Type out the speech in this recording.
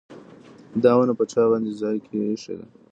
دا ونه چا په دې ځای کې ایښې ده؟